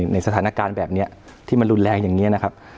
ในสถานการณ์แบบนี้ที่มันรุนแรงอย่างนี้นะครับ